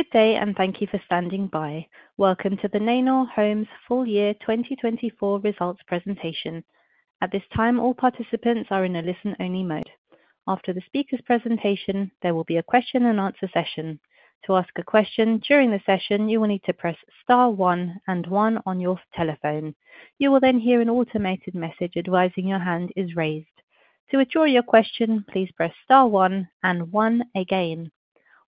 Good day, and thank you for standing by. Welcome to the Neinor Homes full year 2024 results presentation. At this time, all participants are in a listen-only mode. After the speaker's presentation, there will be a question-and-answer session. To ask a question during the session, you will need to press Star 1 and 1 on your telephone. You will then hear an automated message advising your hand is raised. To withdraw your question, please press Star 1 and 1 again.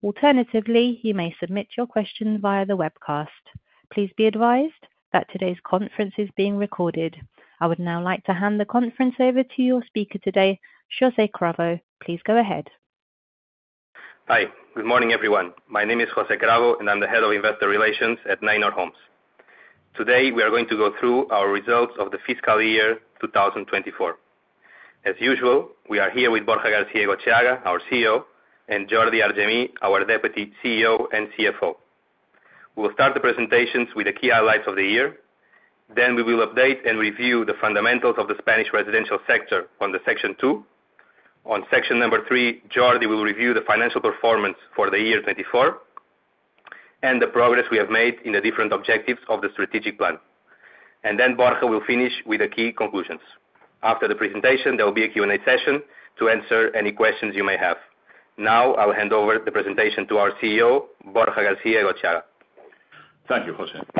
Alternatively, you may submit your question via the webcast. Please be advised that today's conference is being recorded. I would now like to hand the conference over to your speaker today, José Cravo. Please go ahead. Hi, good morning, everyone. My name is José Cravo, and I'm the head of investor relations at Neinor Homes. Today, we are going to go through our results of the fiscal year 2024. As usual, we are here with Borja García-Egotxeaga, our CEO, and Jordi Argemí, our deputy CEO and CFO. We will start the presentations with the key highlights of the year. Then we will update and review the fundamentals of the Spanish residential sector on Section 2. On Section 3, Jordi will review the financial performance for the year 2024 and the progress we have made in the different objectives of the strategic plan. And then Borja will finish with the key conclusions. After the presentation, there will be a Q&A session to answer any questions you may have. Now, I'll hand over the presentation to our CEO, Borja García-Egotxeaga. Thank you, José. Thank you.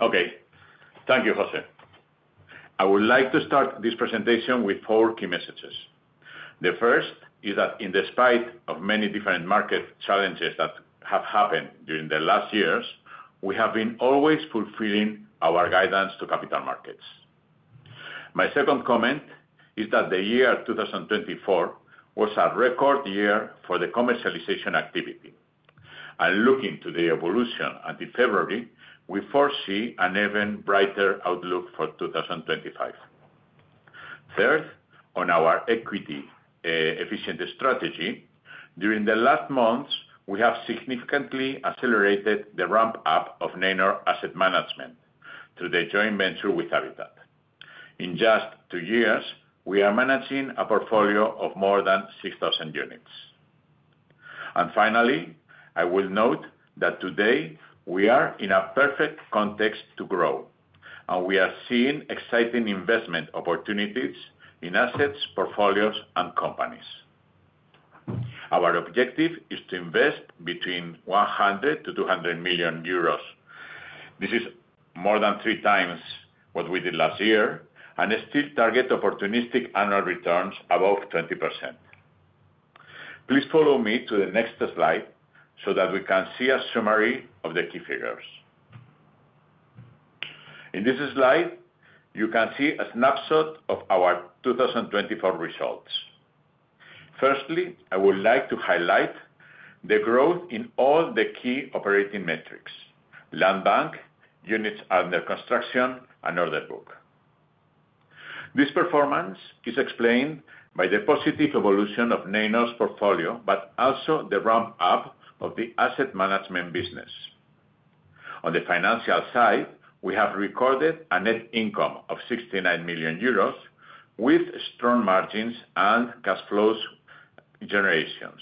Okay, thank you, José. I would like to start this presentation with four key messages. The first is that in spite of many different market challenges that have happened during the last years, we have been always fulfilling our guidance to capital markets. My second comment is that the year 2024 was a record year for the commercialization activity, and looking to the evolution until February, we foresee an even brighter outlook for 2025. Third, on our equity-efficient strategy, during the last months, we have significantly accelerated the ramp-up of Neinor asset management through the joint venture with Habitat. In just two years, we are managing a portfolio of more than 6,000 units. Finally, I will note that today we are in a perfect context to grow, and we are seeing exciting investment opportunities in assets, portfolios, and companies. Our objective is to invest between 100-200 million euros. This is more than three times what we did last year and still target opportunistic annual returns above 20%. Please follow me to the next slide so that we can see a summary of the key figures. In this slide, you can see a snapshot of our 2024 results. Firstly, I would like to highlight the growth in all the key operating metrics: land bank, units under construction, and order book. This performance is explained by the positive evolution of Neinor’s portfolio, but also the ramp-up of the asset management business. On the financial side, we have recorded a net income of 69 million euros with strong margins and cash flows generations.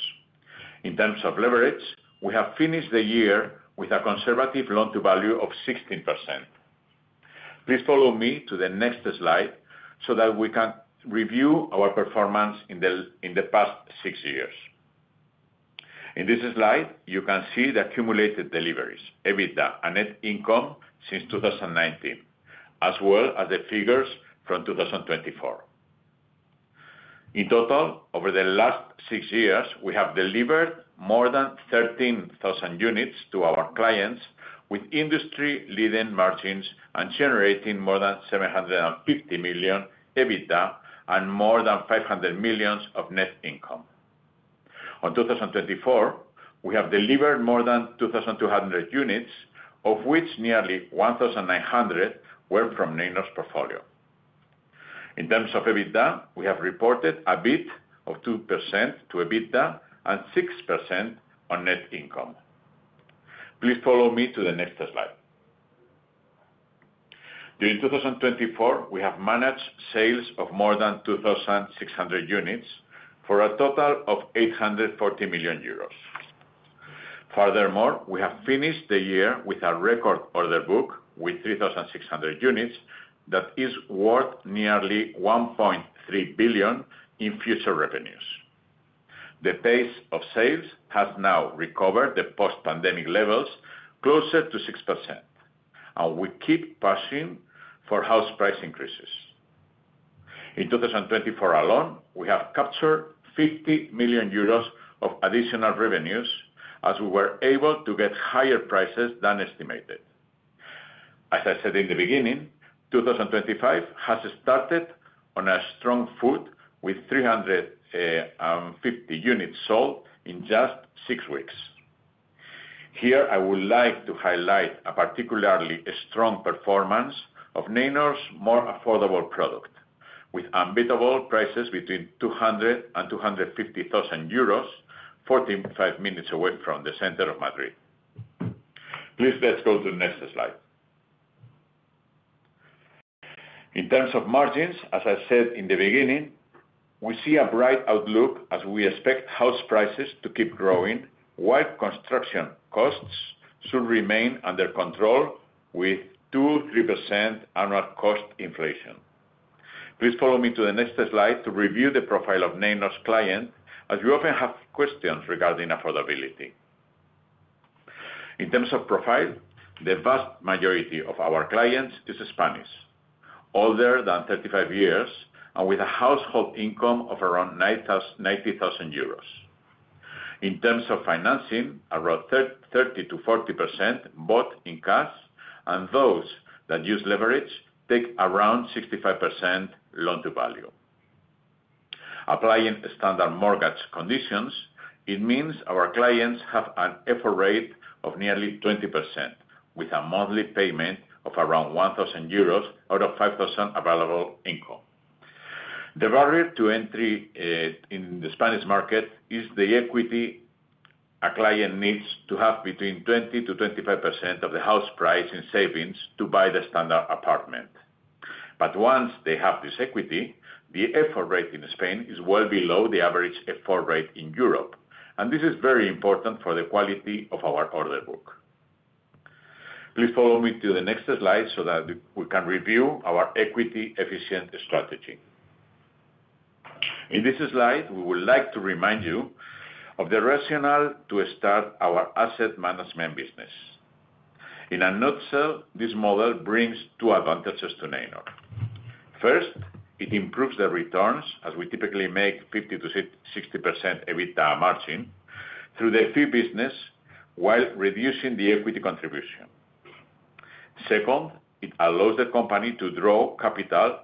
In terms of leverage, we have finished the year with a conservative loan-to-value of 16%. Please follow me to the next slide so that we can review our performance in the past six years. In this slide, you can see the accumulated deliveries, EBITDA, and net income since 2019, as well as the figures from 2024. In total, over the last six years, we have delivered more than 13,000 units to our clients with industry-leading margins and generating more than 750 million EBITDA and more than 500 million of net income. In 2024, we have delivered more than 2,200 units, of which nearly 1,900 were from Neinor's portfolio. In terms of EBITDA, we have reported a beat of 2% to EBITDA and 6% on net income. Please follow me to the next slide. During 2024, we have managed sales of more than 2,600 units for a total of 840 million euros. Furthermore, we have finished the year with a record order book with 3,600 units that is worth nearly 1.3 billion in future revenues. The pace of sales has now recovered to post-pandemic levels, closer to 6%, and we keep pushing for house price increases. In 2024 alone, we have captured 50 million euros of additional revenues as we were able to get higher prices than estimated. As I said in the beginning, 2025 has started on a strong foot with 350 units sold in just six weeks. Here, I would like to highlight a particularly strong performance of Neinor's more affordable product with unbeatable prices between 200,000 and 250,000 euros, 45 minutes away from the center of Madrid. Please let's go to the next slide. In terms of margins, as I said in the beginning, we see a bright outlook as we expect house prices to keep growing while construction costs should remain under control with 2%-3% annual cost inflation. Please follow me to the next slide to review the profile of Neinor’s clients, as we often have questions regarding affordability. In terms of profile, the vast majority of our clients are Spanish, older than 35 years, and with a household income of around 90,000 euros. In terms of financing, around 30%-40% bought in cash, and those that use leverage take around 65% loan-to-value. Applying standard mortgage conditions, it means our clients have an effort rate of nearly 20% with a monthly payment of around 1,000 euros out of 5,000 available income. The barrier to entry in the Spanish market is the equity a client needs to have between 20%-25% of the house price in savings to buy the standard apartment. But once they have this equity, the FO rate in Spain is well below the average FO rate in Europe, and this is very important for the quality of our order book. Please follow me to the next slide so that we can review our equity-efficient strategy. In this slide, we would like to remind you of the rationale to start our asset management business. In a nutshell, this model brings two advantages to Neinor. First, it improves the returns as we typically make 50%-60% EBITDA margin through the fee business while reducing the equity contribution. Second, it allows the company to draw capital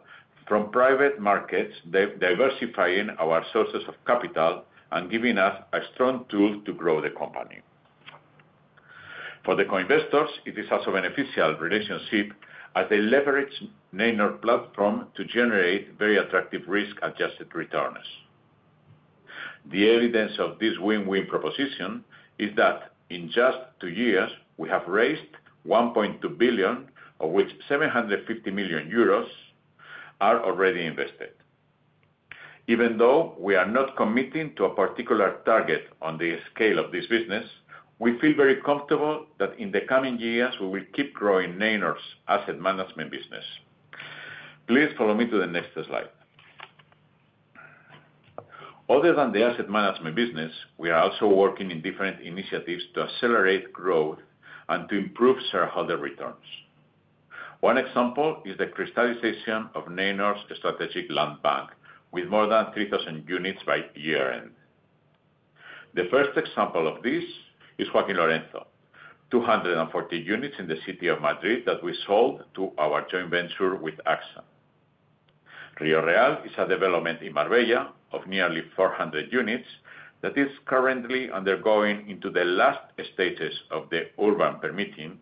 from private markets, diversifying our sources of capital and giving us a strong tool to grow the company. For the co-investors, it is also a beneficial relationship as they leverage Neinor platform to generate very attractive risk-adjusted returns. The evidence of this win-win proposition is that in just two years, we have raised 1.2 billion, of which 750 million euros are already invested. Even though we are not committing to a particular target on the scale of this business, we feel very comfortable that in the coming years, we will keep growing Neinor’s asset management business. Please follow me to the next slide. Other than the asset management business, we are also working in different initiatives to accelerate growth and to improve shareholder returns. One example is the crystallization of Neinor’s strategic land bank with more than 3,000 units by year-end. The first example of this is Joaquín Lorenzo, 240 units in the city of Madrid that we sold to our joint venture with AXA. Río Real is a development in Marbella of nearly 400 units that is currently undergoing the last stages of the urban permitting,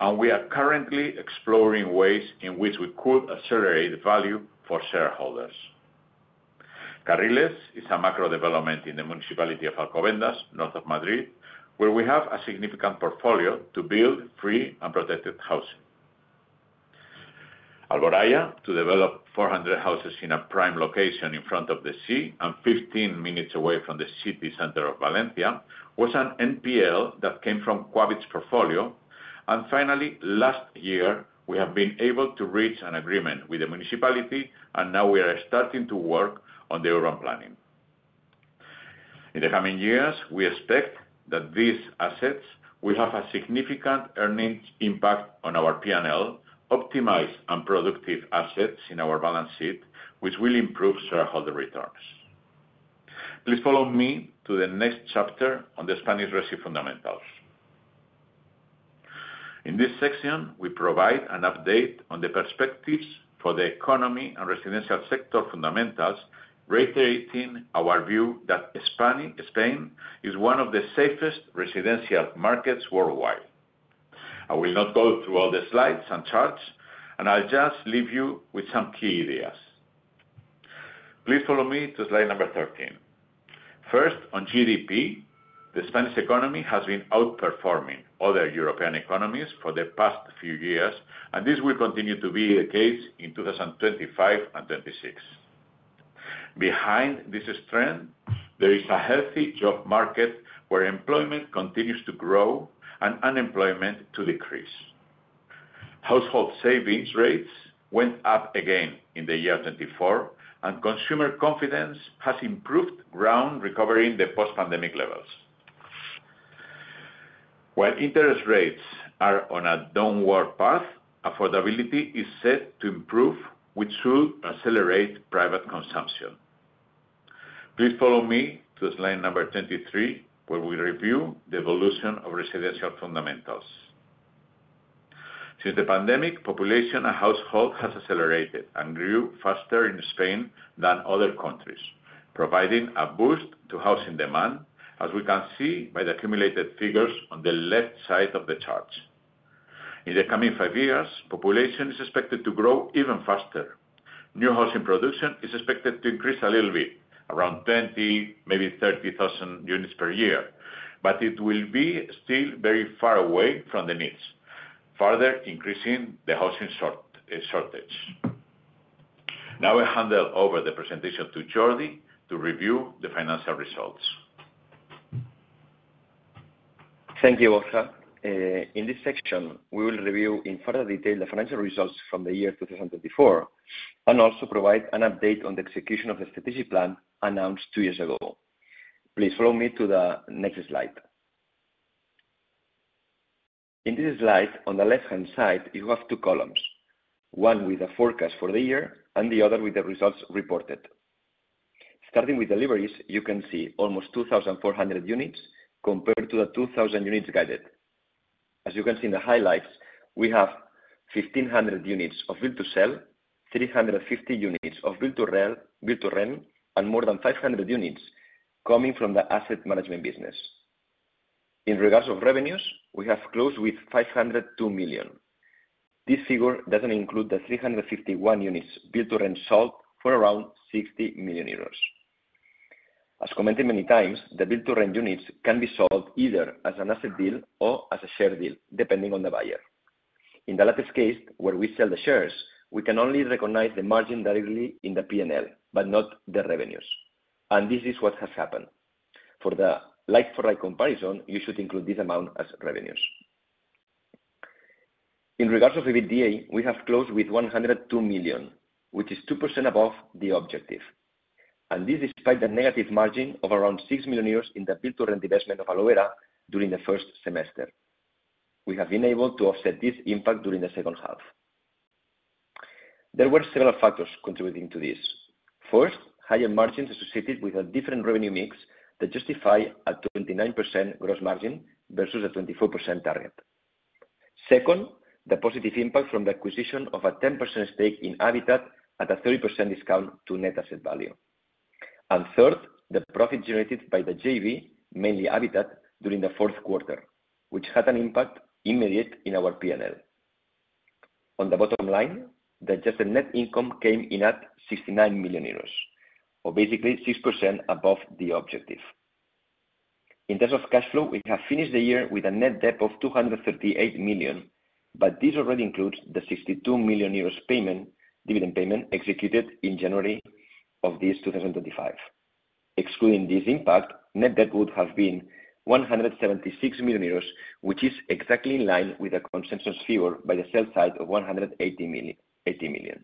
and we are currently exploring ways in which we could accelerate value for shareholders. Carriles is a macro development in the municipality of Alcobendas, north of Madrid, where we have a significant portfolio to build free and protected housing. Alboraya, to develop 400 houses in a prime location in front of the sea and 15 minutes away from the city center of Valencia, was an NPL that came from Quabit's portfolio, and finally, last year, we have been able to reach an agreement with the municipality, and now we are starting to work on the urban planning. In the coming years, we expect that these assets will have a significant earnings impact on our P&L, optimized and productive assets in our balance sheet, which will improve shareholder returns. Please follow me to the next chapter on the Spanish Real Estate Fundamentals. In this section, we provide an update on the perspectives for the economy and residential sector fundamentals, reiterating our view that Spain is one of the safest residential markets worldwide. I will not go through all the slides and charts, and I'll just leave you with some key ideas. Please follow me to slide number 13. First, on GDP, the Spanish economy has been outperforming other European economies for the past few years, and this will continue to be the case in 2025 and 2026. Behind this trend, there is a healthy job market where employment continues to grow and unemployment to decrease. Household savings rates went up again in the year 2024, and consumer confidence has gained ground, recovering the post-pandemic levels. While interest rates are on a downward path, affordability is set to improve, which should accelerate private consumption. Please follow me to slide number 23, where we review the evolution of residential fundamentals. Since the pandemic, population and households have accelerated and grew faster in Spain than other countries, providing a boost to housing demand, as we can see by the accumulated figures on the left side of the chart. In the coming five years, population is expected to grow even faster. New housing production is expected to increase a little bit, around 20,000, maybe 30,000 units per year, but it will be still very far away from the needs, further increasing the housing shortage. Now I hand over the presentation to Jordi to review the financial results. Thank you, Borja. In this section, we will review in further detail the financial results from the year 2024 and also provide an update on the execution of the strategic plan announced two years ago. Please follow me to the next slide. In this slide, on the left-hand side, you have two columns, one with the forecast for the year and the other with the results reported. Starting with deliveries, you can see almost 2,400 units compared to the 2,000 units guided. As you can see in the highlights, we have 1,500 units of build-to-sell, 350 units of build-to-rent, and more than 500 units coming from the asset management business. In regards to revenues, we have closed with 502 million. This figure doesn't include the 351 units built-to-rent sold for around 60 million euros. As commented many times, the built-to-rent units can be sold either as an asset deal or as a share deal, depending on the buyer. In the latter case, where we sell the shares, we can only recognize the margin directly in the P&L, but not the revenues. And this is what has happened. For the right-for-right comparison, you should include this amount as revenues. In regards to EBITDA, we have closed with 102 million, which is 2% above the objective. And this is by the negative margin of around 6 million euros in the built-to-rent investment of Alovera during the first semester. We have been able to offset this impact during the second half. There were several factors contributing to this. First, higher margins associated with a different revenue mix that justify a 29% gross margin versus a 24% target. Second, the positive impact from the acquisition of a 10% stake in Habitat at a 30% discount to net asset value. And third, the profit generated by the JV, mainly Habitat, during the fourth quarter, which had an immediate impact in our P&L. On the bottom line, the adjusted net income came in at 69 million euros, or basically 6% above the objective. In terms of cash flow, we have finished the year with a net debt of 238 million EUR, but this already includes the 62 million euros dividend payment executed in January of this 2025. Excluding this impact, net debt would have been 176 million euros, which is exactly in line with the consensus figure by the sell side of 180 million EUR.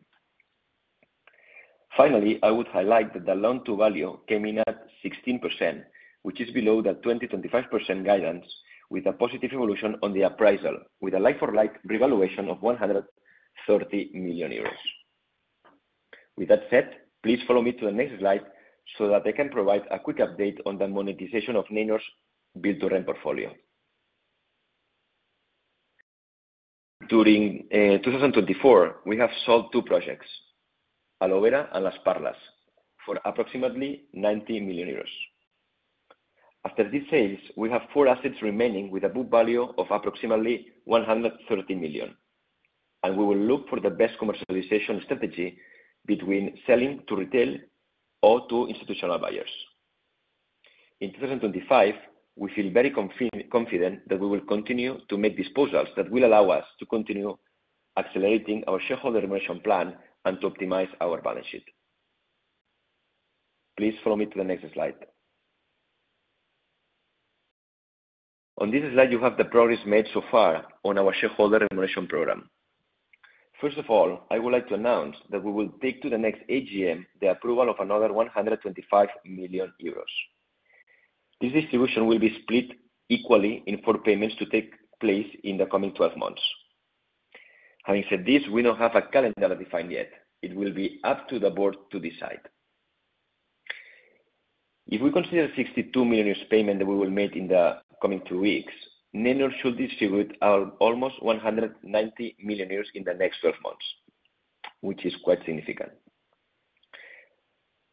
Finally, I would highlight that the loan-to-value came in at 16%, which is below the 20-25% guidance, with a positive evolution on the appraisal, with a right-for-right revaluation of 130 million euros. With that said, please follow me to the next slide so that I can provide a quick update on the monetization of Neinor’s built-to-rent portfolio. During 2024, we have sold two projects, Aloevera and Las Parlas, for approximately 90 million euros. After these sales, we have four assets remaining with a book value of approximately 130 million, and we will look for the best commercialization strategy between selling to retail or to institutional buyers. In 2025, we feel very confident that we will continue to make disposals that will allow us to continue accelerating our shareholder remuneration plan and to optimize our balance sheet. Please follow me to the next slide. On this slide, you have the progress made so far on our shareholder remuneration program. First of all, I would like to announce that we will take to the next AGM the approval of another 125 million euros. This distribution will be split equally in four payments to take place in the coming 12 months. Having said this, we don't have a calendar defined yet. It will be up to the board to decide. If we consider 62 million payment that we will make in the coming two weeks, Neinor should distribute almost 190 million euros in the next 12 months, which is quite significant.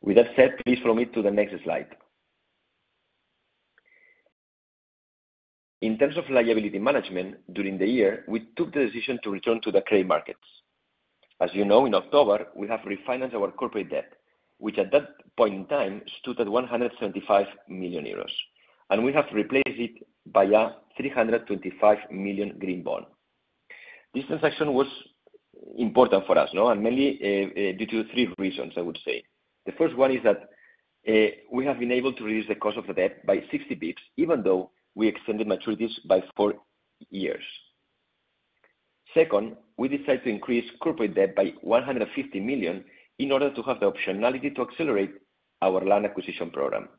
With that said, please follow me to the next slide. In terms of liability management during the year, we took the decision to return to the credit markets. As you know, in October, we have refinanced our corporate debt, which at that point in time stood at 175 million euros, and we have replaced it by a 325 million green bond. This transaction was important for us, mainly due to three reasons, I would say. The first one is that we have been able to reduce the cost of the debt by 60 basis points, even though we extended maturities by four years. Second, we decided to increase corporate debt by 150 million in order to have the optionality to accelerate our land acquisition program.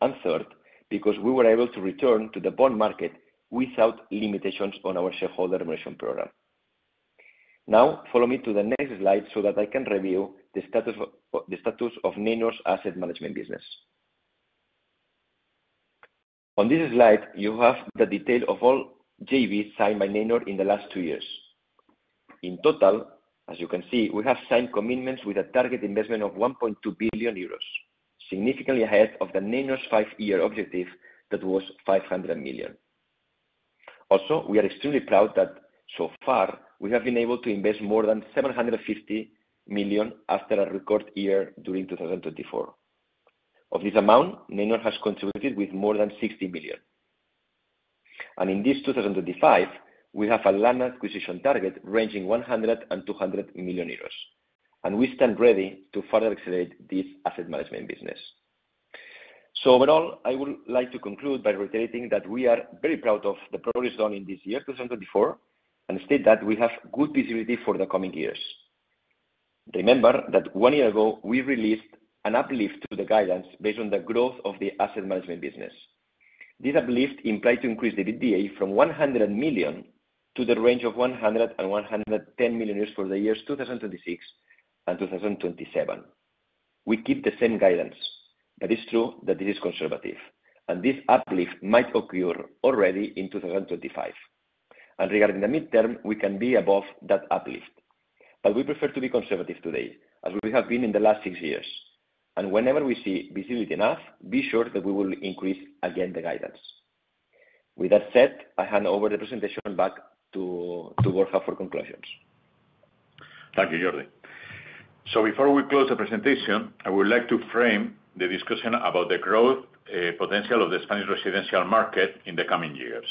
And third, because we were able to return to the bond market without limitations on our shareholder remuneration program. Now, follow me to the next slide so that I can review the status of Neinor’s asset management business. On this slide, you have the detail of all JVs signed by Neinor in the last two years. In total, as you can see, we have signed commitments with a target investment of 1.2 billion euros, significantly ahead of the Neinor’s five-year objective that was 500 million. Also, we are extremely proud that so far, we have been able to invest more than 750 million after a record year during 2024. Of this amount, Neinor has contributed with more than 60 million. And in this 2025, we have a land acquisition target ranging 100 million euros and 200 million euros, and we stand ready to further accelerate this asset management business. So overall, I would like to conclude by reiterating that we are very proud of the progress done in this year 2024 and state that we have good visibility for the coming years. Remember that one year ago, we released an uplift to the guidance based on the growth of the asset management business. This uplift implies increasing the EBITDA from 100 million EUR to the range of 100-110 million EUR for the years 2026 and 2027. We keep the same guidance, but it's true that this is conservative, and this uplift might occur already in 2025. Regarding the midterm, we can be above that uplift, but we prefer to be conservative today, as we have been in the last six years. Whenever we see visibility enough, be sure that we will increase again the guidance. With that said, I hand over the presentation back to Borja for conclusions. Thank you, Jordi. Before we close the presentation, I would like to frame the discussion about the growth potential of the Spanish residential market in the coming years.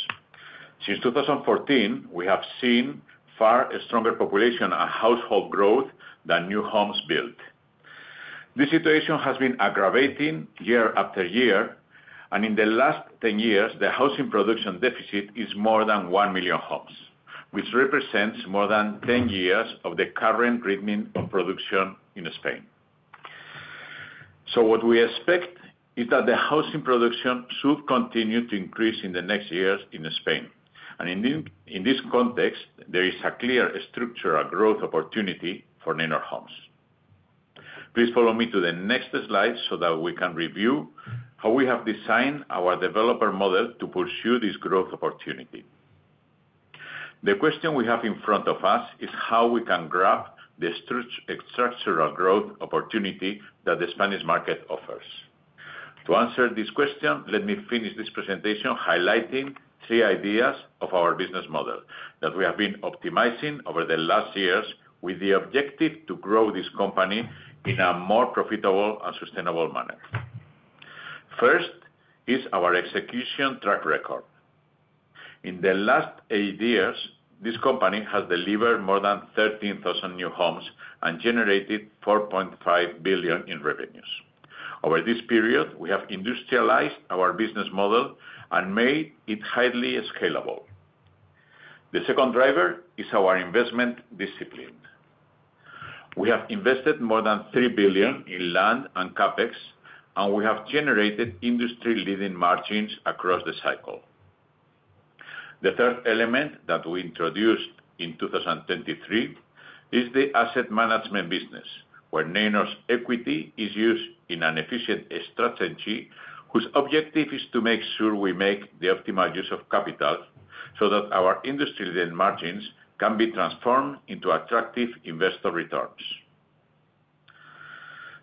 Since 2014, we have seen far stronger population and household growth than new homes built. This situation has been aggravating year after year, and in the last 10 years, the housing production deficit is more than one million homes, which represents more than 10 years of the current rate of production in Spain. What we expect is that the housing production should continue to increase in the next years in Spain. In this context, there is a clear structural growth opportunity for Neinor Homes. Please follow me to the next slide so that we can review how we have designed our developer model to pursue this growth opportunity. The question we have in front of us is how we can grab the structural growth opportunity that the Spanish market offers. To answer this question, let me finish this presentation highlighting three ideas of our business model that we have been optimizing over the last years with the objective to grow this company in a more profitable and sustainable manner. First is our execution track record. In the last eight years, this company has delivered more than 13,000 new homes and generated 4.5 billion in revenues. Over this period, we have industrialized our business model and made it highly scalable. The second driver is our investment discipline. We have invested more than 3 billion in land and CapEx, and we have generated industry-leading margins across the cycle. The third element that we introduced in 2023 is the asset management business, where Neinor’s equity is used in an efficient strategy whose objective is to make sure we make the optimal use of capital so that our industry-leading margins can be transformed into attractive investor returns.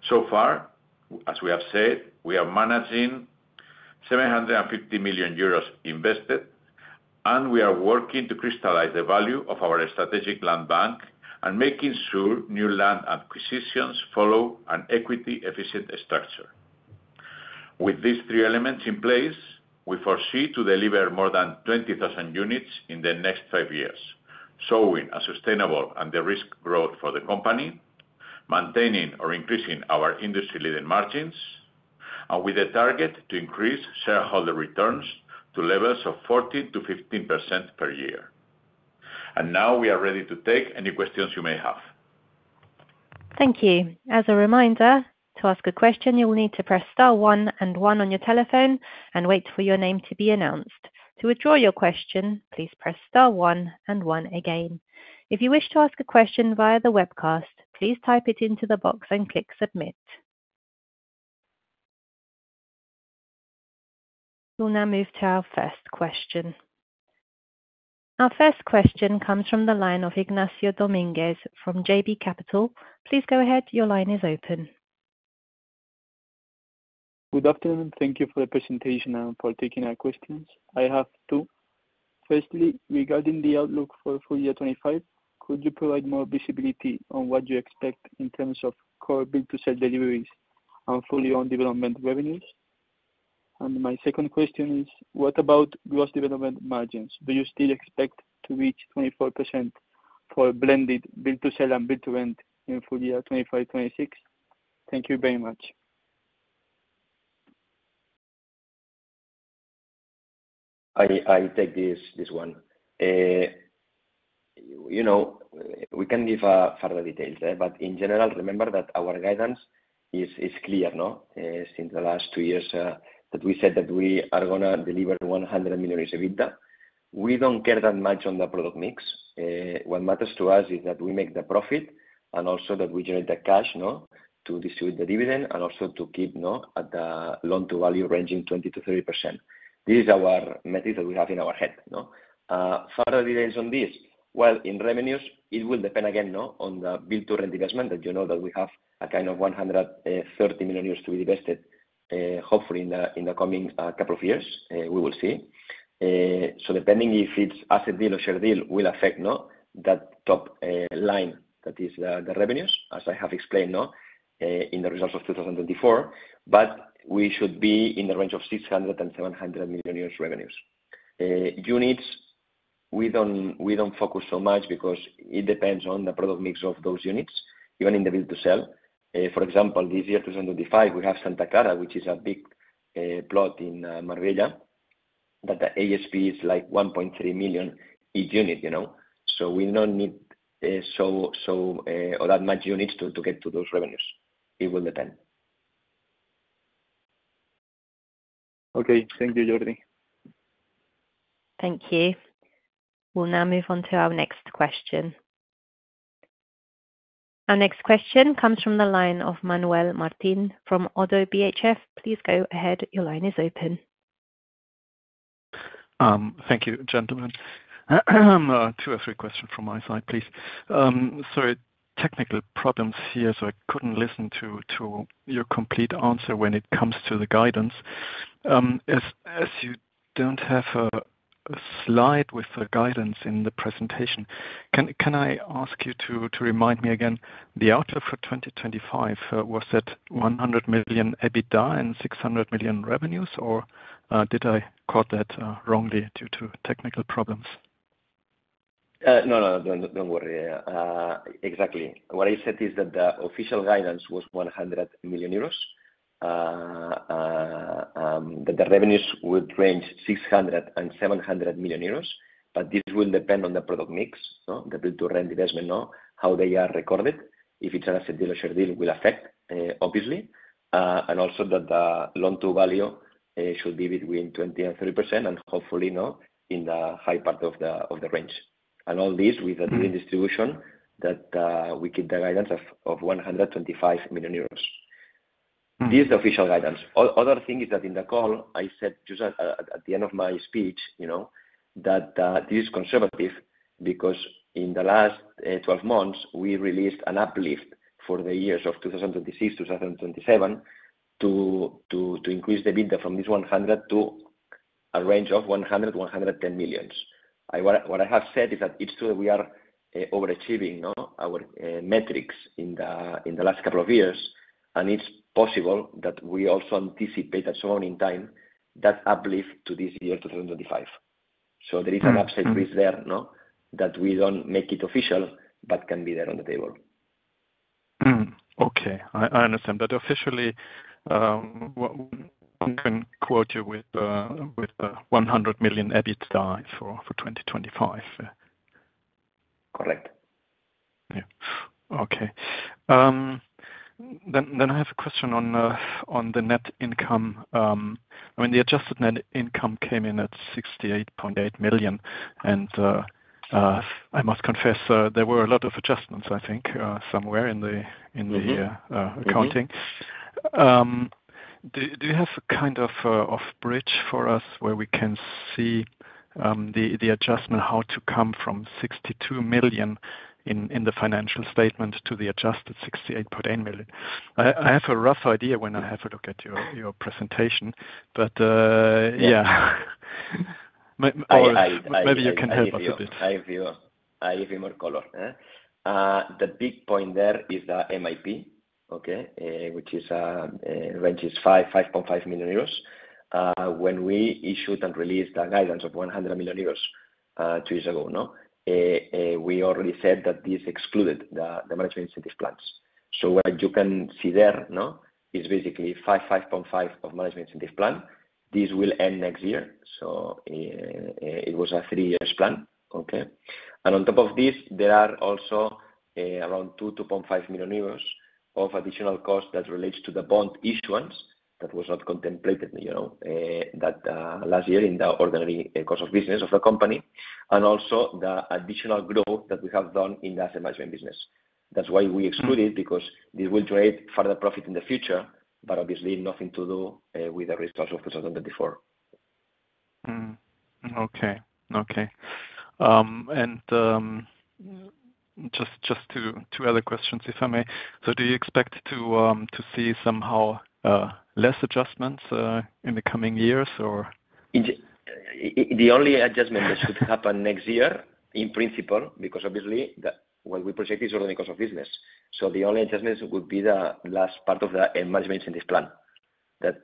So far, as we have said, we are managing 750 million euros invested, and we are working to crystallize the value of our strategic land bank and making sure new land acquisitions follow an equity-efficient structure. With these three elements in place, we foresee to deliver more than 20,000 units in the next five years, ensuring a sustainable and low-risk growth for the company, maintaining or increasing our industry-leading margins, and with the target to increase shareholder returns to levels of 14%-15% per year. Now we are ready to take any questions you may have. Thank you. As a reminder, to ask a question, you will need to press star one and oneon your telephone and wait for your name to be announced. To withdraw your question, please press star one and one again. If you wish to ask a question via the webcast, please type it into the box and click Submit. We'll now move to our first question. Our first question comes from the line of Ignacio Domínguez from JB Capital. Please go ahead. Your line is open. Good afternoon. Thank you for the presentation and for taking our questions. I have two. Firstly, regarding the outlook for full year 2025, could you provide more visibility on what you expect in terms of core build-to-sell deliveries and fully-owned development revenues? And my second question is, what about gross development margins? Do you still expect to reach 24% for blended build-to-sell and build-to-rent in full year 2025-26? Thank you very much. I'll take this one. We can give further details, but in general, remember that our guidance is clear since the last two years that we said that we are going to deliver 100 million euros EBITDA. We don't care that much on the product mix. What matters to us is that we make the profit and also that we generate the cash to distribute the dividend and also to keep at the loan-to-value ranging 20%-30%. This is our metric that we have in our head. Further details on this, well, in revenues, it will depend again on the build-to-rent investment that you know that we have a kind of 130 million euros to be invested, hopefully in the coming couple of years. We will see. Depending if it's asset deal or share deal, will affect that top line that is the revenues, as I have explained in the results of 2024, but we should be in the range of 600 million-700 million euros revenues. Units, we don't focus so much because it depends on the product mix of those units, even in the build-to-sell. For example, this year 2025, we have Santa Clara, which is a big plot in Marbella that the ASP is like 1.3 million each unit. So we don't need so that much units to get to those revenues. It will depend. Okay. Thank you, Jordi. Thank you. We'll now move on to our next question. Our next question comes from the line of Manuel Martin from Oddo BHF. Please go ahead. Your line is open. Thank you, gentlemen. Two or three questions from my side, please. So technical problems here, so I couldn't listen to your complete answer when it comes to the guidance. As you don't have a slide with the guidance in the presentation, can I ask you to remind me again the outlook for 2025, was that 100 million EBITDA and 600 million revenues, or did I quote that wrongly due to technical problems? No, no, don't worry. Exactly. What I said is that the official guidance was 100 million euros, that the revenues would range 600 million euros and 700 million euros, but this will depend on the product mix, the build-to-rent investment, how they are recorded. If it's an asset deal or share deal, it will affect, obviously. And also that the loan-to-value should be between 20% and 30%, and hopefully in the high part of the range. And all this with the distribution that we keep the guidance of 125 million euros. This is the official guidance. Other thing is that in the call, I said just at the end of my speech that this is conservative because in the last 12 months, we released an uplift for the years of 2026, 2027 to increase the EBITDA from this 100 to a range of 100, 110 millions. What I have said is that it's true that we are overachieving our metrics in the last couple of years, and it's possible that we also anticipate at some point in time that uplift to this year 2025, so there is an upside risk there that we don't make it official, but can be there on the table. Okay. I understand. But officially, we can quote you with 100 million EBITDA for 2025. Correct. Yeah. Okay. Then I have a question on the net income. I mean, the adjusted net income came in at 68.8 million, and I must confess there were a lot of adjustments, I think, somewhere in the accounting. Do you have a kind of off-bridge for us where we can see the adjustment, how to come from 62 million in the financial statement to the adjusted 68.8 million? I have a rough idea when I have a look at your presentation, but yeah. Maybe you can help us a bit. I have a few more color. The big point there is the MIP, which is a range, is 5-5.5 million euros. When we issued and released the guidance of 100 million euros two years ago, we already said that this excluded the management incentive plans, so what you can see there is basically 5-5.5 million of management incentive plan. This will end next year, so it was a three-year plan. Okay, and on top of this, there are also around 2-2.5 million euros of additional cost that relates to the bond issuance that was not contemplated last year in the ordinary course of business of the company, and also the additional growth that we have done in the asset management business. That's why we excluded it because this will generate further profit in the future, but obviously nothing to do with the results of 2024. Okay. Okay. And just two other questions, if I may. So do you expect to see somehow less adjustments in the coming years, or? The only adjustment that should happen next year, in principle, because obviously what we project is ordinary course of business. So the only adjustments would be the last part of the management incentive plan.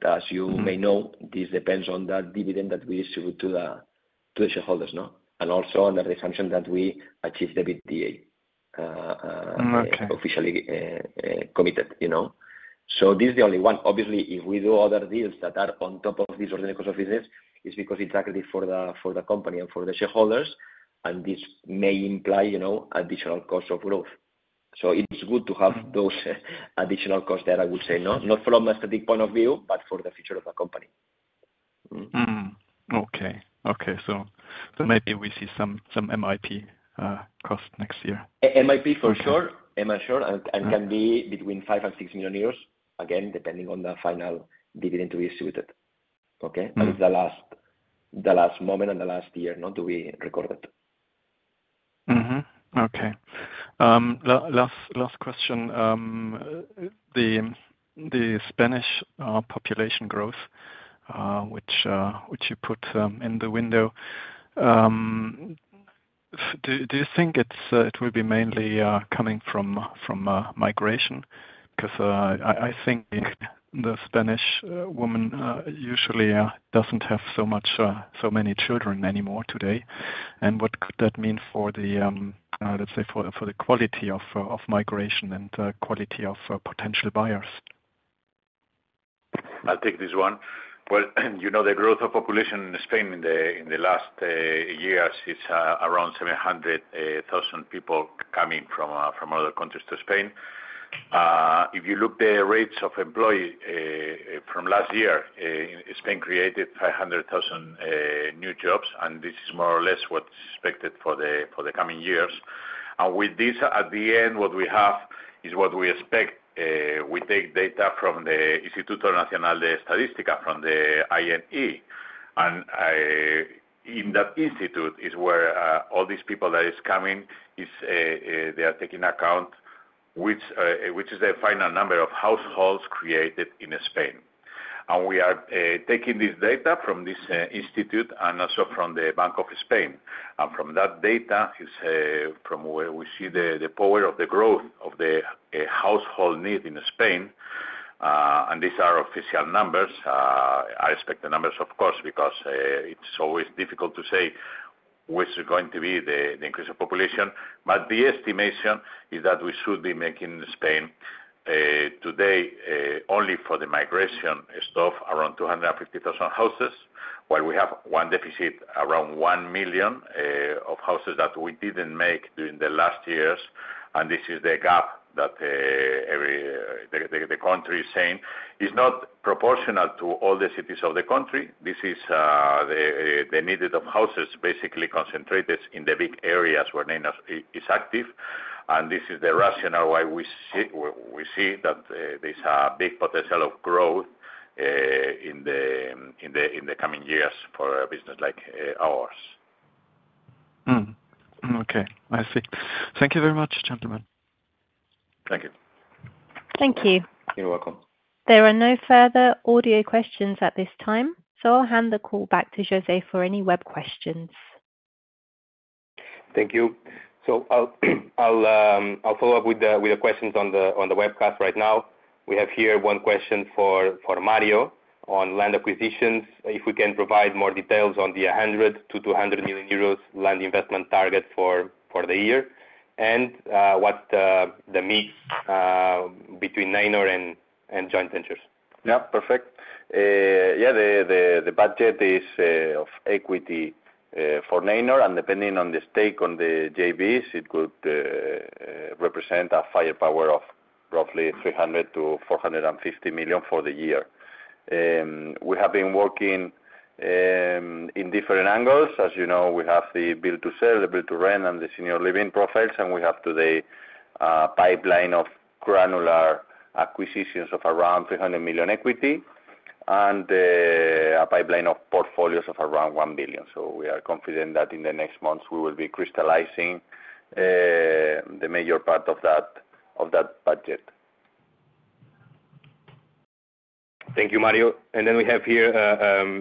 As you may know, this depends on the dividend that we distribute to the shareholders and also under the assumption that we achieve the EBITDA officially committed. So this is the only one. Obviously, if we do other deals that are on top of this ordinary course of business, it's because it's accretive for the company and for the shareholders, and this may imply additional cost of growth. So it's good to have those additional costs there, I would say, not from a static point of view, but for the future of the company. Okay. So maybe we see some MIP cost next year. MIP for sure, yes, sure, and can be between 5 million and 6 million euros, again, depending on the final dividend to be distributed. Okay? That is the last moment and the last year to be recorded. Okay. Last question. The Spanish population growth, which you put in the window, do you think it will be mainly coming from migration? Because I think the Spanish woman usually doesn't have so many children anymore today. And what could that mean for the, let's say, for the quality of migration and the quality of potential buyers? I'll take this one. The growth of population in Spain in the last year is around 700,000 people coming from other countries to Spain. If you look at the rates of employees from last year, Spain created 500,000 new jobs, and this is more or less what's expected for the coming years. With this, at the end, what we have is what we expect. We take data from the Instituto Nacional de Estadística, from the INE, and in that institute is where all these people that are coming, they are taking account, which is the final number of households created in Spain. We are taking this data from this institute and also from the Bank of Spain. From that data is from where we see the power of the growth of the household need in Spain. These are official numbers, unexpected numbers, of course, because it's always difficult to say which is going to be the increase of population. The estimation is that we should be making Spain today only for the migration stuff around 250,000 houses, while we have one deficit, around 1 million of houses that we didn't make during the last years. This is the gap that the country is saying is not proportional to all the cities of the country. This is the need of houses basically concentrated in the big areas where Neinor is active. This is the rationale why we see that there's a big potential of growth in the coming years for a business like ours. Okay. I see. Thank you very much, gentlemen. Thank you. Thank you. You're welcome. There are no further audio questions at this time, so I'll hand the call back to José for any web questions. Thank you, so I'll follow up with the questions on the webcast right now. We have here one question for Mario on land acquisitions, if we can provide more details on the 100 million-200 million euros land investment target for the year, and what's the mix between Neinor and joint ventures. Yeah. Perfect. Yeah. The budget is of equity for Neinor, and depending on the stake on the JVs, it could represent a firepower of roughly 300 million-450 million for the year. We have been working in different angles. As you know, we have the build-to-sell, the build-to-rent, and the senior living profiles, and we have today a pipeline of granular acquisitions of around 300 million equity and a pipeline of portfolios of around 1 billion. So we are confident that in the next months, we will be crystallizing the major part of that budget. Thank you, Mario. And then we have here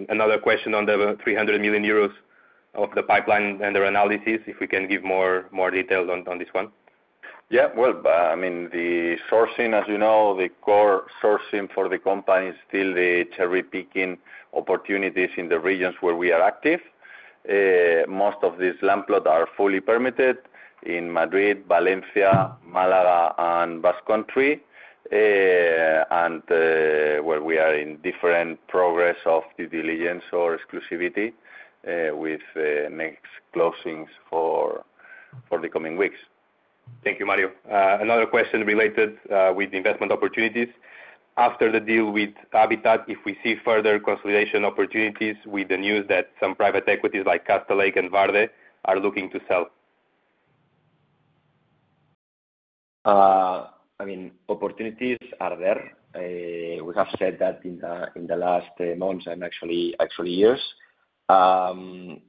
another question on the 300 million euros of the pipeline and their analysis, if we can give more details on this one. Yeah. Well, I mean, the sourcing, as you know, the core sourcing for the company is still the cherry-picking opportunities in the regions where we are active. Most of these land plots are fully permitted in Madrid, Valencia, Málaga, and Basque Country, and where we are in different progress of due diligence or exclusivity with next closings for the coming weeks. Thank you, Mario. Another question related with investment opportunities. After the deal with Habitat, if we see further consolidation opportunities with the news that some private equities like Castlelake and Värde are looking to sell. I mean, opportunities are there. We have said that in the last months and actually years.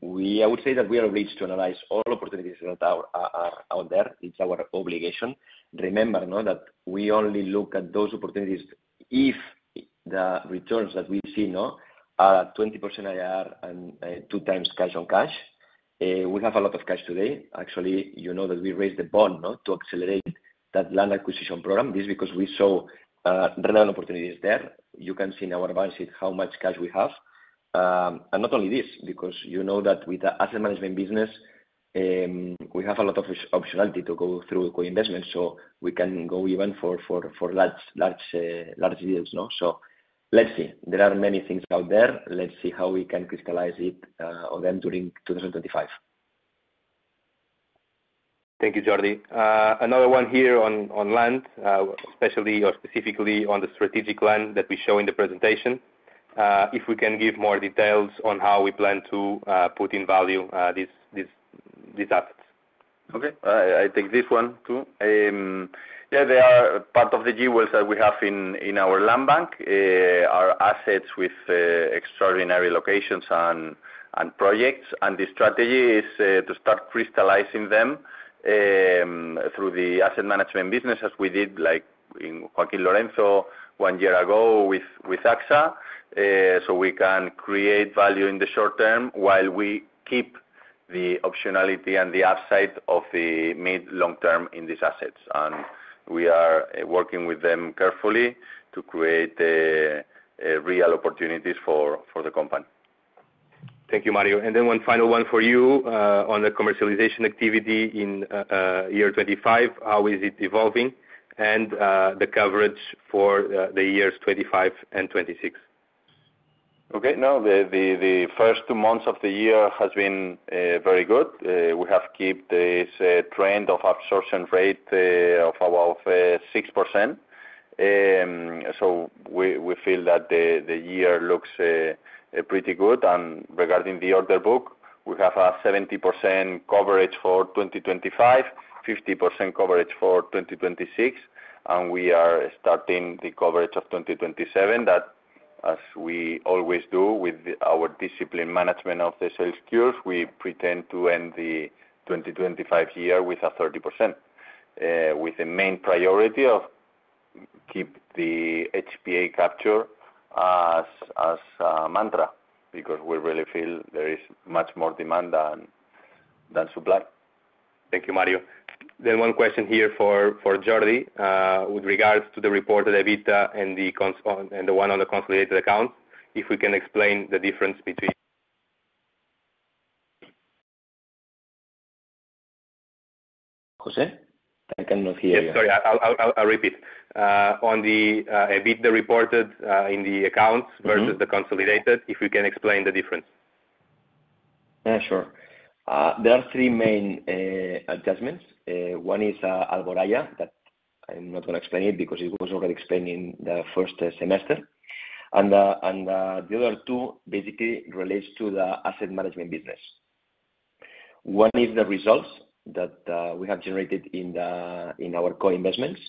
I would say that we are ready to analyze all opportunities that are out there. It's our obligation. Remember that we only look at those opportunities if the returns that we see are 20% IR and 2 times cash on cash. We have a lot of cash today. Actually, you know that we raised the bond to accelerate that land acquisition program. This is because we saw relevant opportunities there. You can see in our balance sheet how much cash we have. And not only this, because you know that with the asset management business, we have a lot of optionality to go through co-investments, so we can go even for large deals. So let's see. There are many things out there. Let's see how we can crystallize it or them during 2025. Thank you, Jordi. Another one here on land, especially or specifically on the strategic land that we show in the presentation. If we can give more details on how we plan to put in value these assets? Okay. I take this one too. Yeah. They are part of the jewels that we have in our land bank, our assets with extraordinary locations and projects. The strategy is to start crystallizing them through the asset management business, as we did in Joaquín Lorenzo one year ago with AXA, so we can create value in the short term while we keep the optionality and the upside of the mid-long term in these assets. We are working with them carefully to create real opportunities for the company. Thank you, Mario. And then one final one for you on the commercialization activity in year 2025, how is it evolving, and the coverage for the years 2025 and 2026? Okay. Now, the first two months of the year have been very good. We have kept this trend of absorption rate of about 6%. So we feel that the year looks pretty good. And regarding the order book, we have a 70% coverage for 2025, 50% coverage for 2026, and we are starting the coverage of 2027, that, as we always do with our disciplined management of the sales curves, we intend to end the 2025 year with a 30%, with the main priority of keeping the HPA capture as a mantra because we really feel there is much more demand than supply. Thank you, Mario, then one question here for Jordi with regards to the reported EBITDA and the one on the consolidated account, if we can explain the difference between? José? I cannot hear you. Sorry. I'll repeat. On the EBITDA reported in the accounts versus the consolidated, if we can explain the difference. Yeah, sure. There are three main adjustments. One is Alboraya that I'm not going to explain it because it was already explained in the first semester. And the other two basically relate to the asset management business. One is the results that we have generated in our co-investments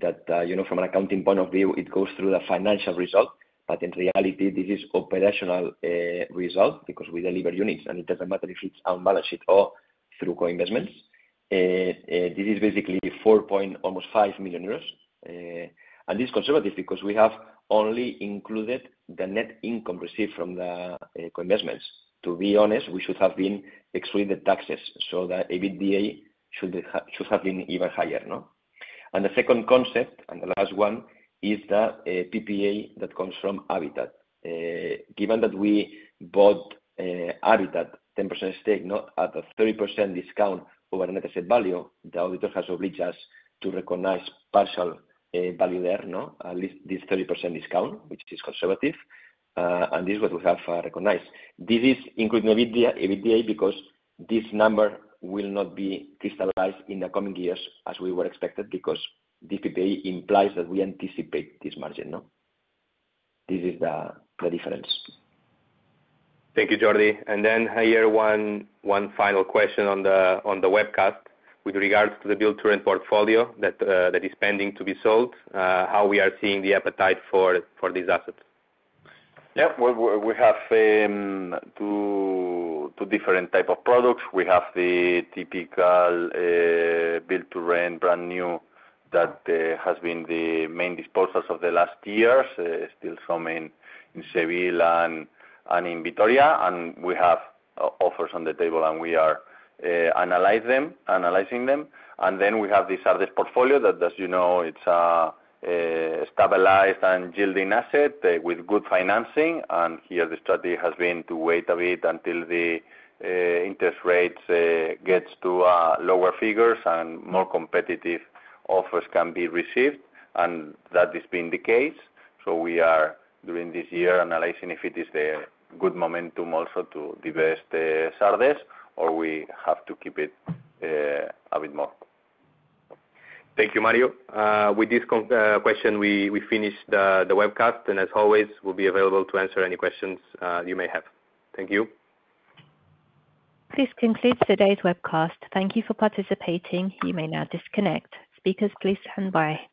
that, from an accounting point of view, it goes through the financial result, but in reality, this is operational result because we deliver units, and it doesn't matter if it's on balance sheet or through co-investments. This is basically 4.5 million euros. And this is conservative because we have only included the net income received from the co-investments. To be honest, we should have been excluded taxes so that EBITDA should have been even higher. And the second concept, and the last one, is the PPA that comes from Habitat. Given that we bought Habitat 10% stake at a 30% discount over net asset value, the auditor has obliged us to recognize partial value there, at least this 30% discount, which is conservative, and this is what we have recognized. This is including EBITDA because this number will not be crystallized in the coming years as we were expected because this PPA implies that we anticipate this margin. This is the difference. Thank you, Jordi. And then here, one final question on the webcast with regards to the build-to-rent portfolio that is pending to be sold, how we are seeing the appetite for these assets? Yeah. Well, we have two different types of products. We have the typical build-to-rent brand new that has been the main disposals of the last years, still some in Seville and in Vitoria, and we have offers on the table, and we are analyzing them. And then we have this Sardes portfolio that, as you know, it's a stabilized and yielding asset with good financing. And here, the strategy has been to wait a bit until the interest rates get to lower figures and more competitive offers can be received, and that has been the case. So we are, during this year, analyzing if it is the good momentum also to divest Sardes, or we have to keep it a bit more. Thank you, Mario. With this question, we finish the webcast, and as always, we'll be available to answer any questions you may have. Thank you. This concludes today's webcast. Thank you for participating. You may now disconnect. Speakers please stand by.